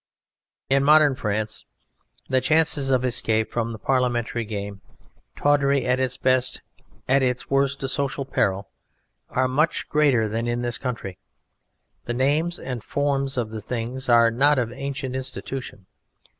In modern France the chances of escape from the parliamentary game, tawdry at its best, at its worst a social peril, are much greater than in this country. The names and forms of the thing are not of ancient institution.